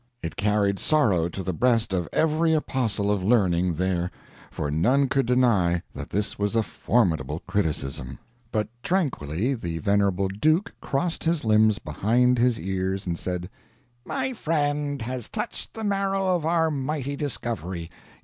It carried sorrow to the breast of every apostle of learning there, for none could deny that this was a formidable criticism. But tranquilly the venerable Duke crossed his limbs behind his ears and said: "My friend has touched the marrow of our mighty discovery.